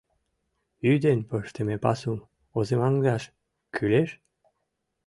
Ӱден пыштыме пасум озымаҥдаш кӱлеш?